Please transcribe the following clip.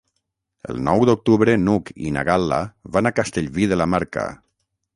El nou d'octubre n'Hug i na Gal·la van a Castellví de la Marca.